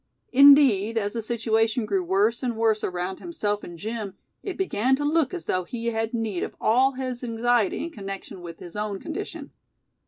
Indeed, as the situation grew worse and worse around himself and Jim, it began to look as though he had need of all his anxiety in connection with his own condition.